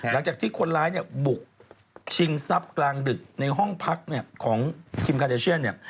หลังจากที่คนร้ายบุกชิงทรัพย์กลางดึกในห้องพักของทีมการเตอร์เชียน